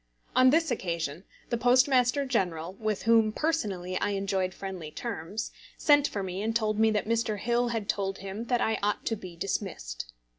On this occasion, the Postmaster General, with whom personally I enjoyed friendly terms, sent for me and told me that Mr. Hill had told him that I ought to be dismissed.